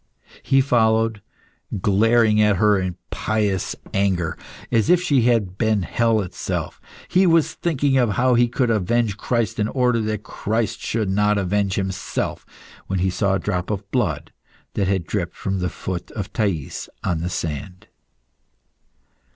He followed, glaring at her in pious anger, as if she had been hell itself. He was thinking how he could avenge Christ in order that Christ should not avenge Himself, when he saw a drop of blood that had dripped from the foot of Thais on the sand.